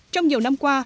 trong nhiều năm qua